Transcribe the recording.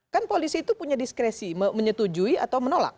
kan polisi itu punya diskresi menyetujui atau menolak